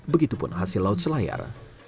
begitupun hasil laut selayar